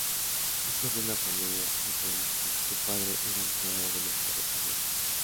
Hijo de una familia metodista, su padre era empleado de los ferrocarriles.